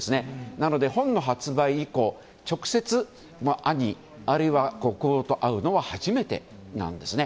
なので、本の発売以降直接、兄あるいは国王と会うのは初めてなんですね。